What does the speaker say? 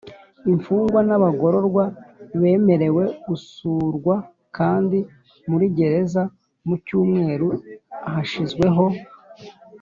Imfungwa n abagororwa bemerewe gusurwa kandi muri gereza mu cyumweru hashyizweho